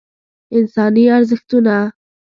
انساني ارزښتونه